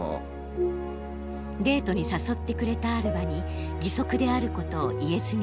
デートに誘ってくれたアルバに義足であることを言えずにいました。